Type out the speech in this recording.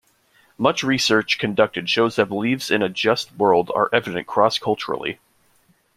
Much research conducted shows that beliefs in a just world are evident cross-culturally.